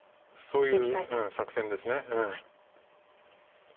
そういう作戦です。